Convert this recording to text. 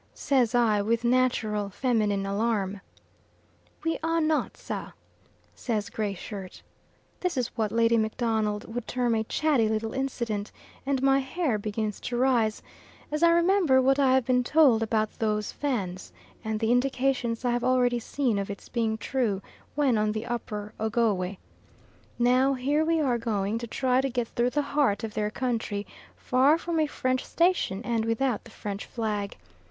says I, with natural feminine alarm. "We are not, sir," says Gray Shirt. This is what Lady MacDonald would term a chatty little incident; and my hair begins to rise as I remember what I have been told about those Fans and the indications I have already seen of its being true when on the Upper Ogowe. Now here we are going to try to get through the heart of their country, far from a French station, and without the French flag.